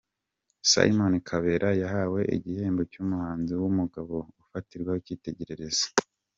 Simon Kabera yahawe igihembo cy'umuhanzi w'umugabo ufatirwaho icyitegererezo.